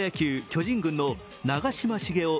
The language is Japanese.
巨人軍の長嶋茂雄